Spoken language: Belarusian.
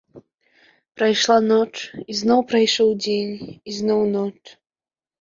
Прайшла ноч, і зноў прайшоў дзень, і зноў ноч.